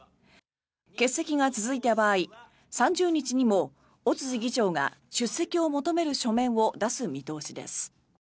欠席が続いた場合３０日にも尾辻議長が出席を求める書面を出す見通しです。